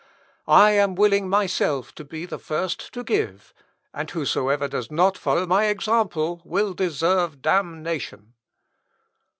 I am willing myself to be the first to give, and whosoever does not follow my example will deserve damnation."